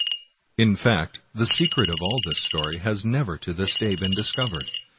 In fact, the secret of all this story has never to this day been discovered.